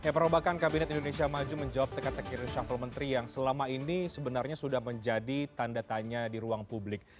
perombakan kabinet indonesia maju menjawab teka teki reshuffle menteri yang selama ini sebenarnya sudah menjadi tanda tanya di ruang publik